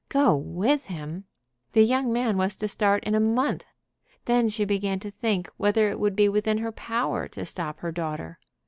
Go with him! The young man was to start in a month! Then she began to think whether it would be within her power to stop her daughter.